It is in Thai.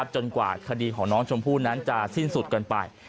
จนกว่าคดีของน้องชมพู่นั้นจะสิ้นสุดเกินไป